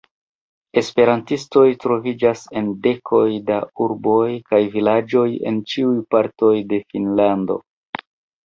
Esperantistoj troviĝas en dekoj da urboj kaj vilaĝoj en ĉiuj partoj de Finnlando.